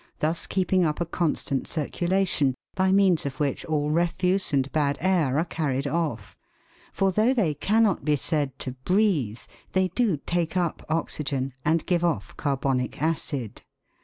thus keeping up a constant circulation, by means of which all refuse and bad air are carried off; for though they cannot be said to breathe, they do take up oxygen, and give off carbonic acid.